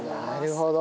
なるほど。